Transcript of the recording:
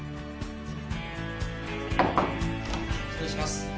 ・・失礼します。